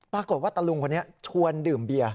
ปรากฏว่าตาลงคนนี้ชวนดื่มเบียร์